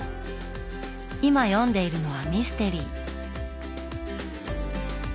今読んでいるのはミステリー。